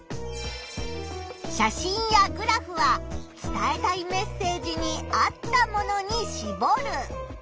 写真やグラフは伝えたいメッセージに合ったものにしぼる。